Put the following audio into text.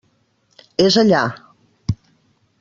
És allà.